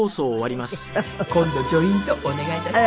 今度ジョイントお願いいたします。